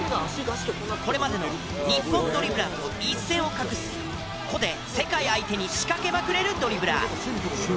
これまでの日本ドリブラーと一線を画す個で世界相手に仕掛けまくれるドリブラー。